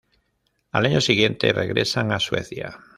Al año siguiente regresan a Suecia.